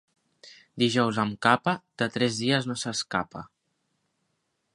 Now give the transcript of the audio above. Dijous amb capa, de tres dies no s'escapa.